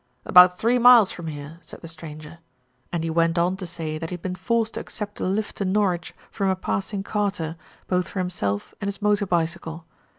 "About three miles from here," said the stranger, and he went on to say that he had been forced to accept a lift to Norwich from a passing carter, both for him self and his motor bicycle.